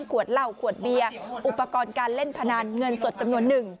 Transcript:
ขวดเหล้าขวดเบียร์อุปกรณ์การเล่นพนันเงินสดจำนวนหนึ่ง